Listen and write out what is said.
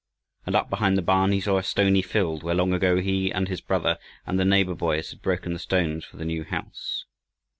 And up behind the barn he saw a stony field, where long ago he and his brother and the neighbor boys had broken the stones for the new house.